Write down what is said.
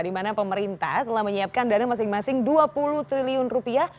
di mana pemerintah telah menyiapkan dana masing masing dua puluh triliun rupiah